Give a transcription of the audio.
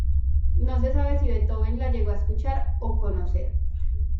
No se sabe si Beethoven la llegó a escuchar o conocer.